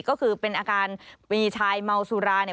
ก็คือเป็นอาการมีชายเมาสุรา